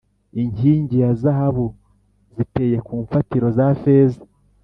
inkingi za zahabu ziteye ku mfatiro za feza,